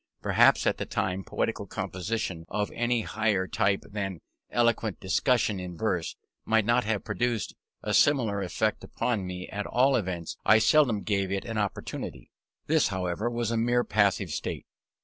Perhaps at that time poetical composition of any higher type than eloquent discussion in verse, might not have produced a similar effect upon me: at all events I seldom gave it an opportunity. This, however, was a mere passive state.